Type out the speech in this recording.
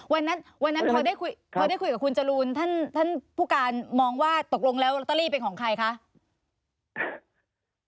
วันนั้นวันนั้นพอได้คุยกับคุณจรูนท่านผู้การมองว่าตกลงแล้วลอตเตอรี่เป็นของใครคะ